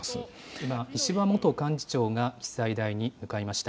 今、石破元幹事長が記載台に向かいました。